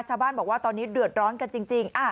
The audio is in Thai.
ชาวบ้านบอกว่าตอนนี้เดือดร้อนกันจริง